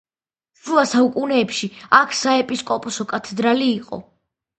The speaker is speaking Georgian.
შუა საუკუნეებში აქ საეპისკოპოსო კათედრალი იყო.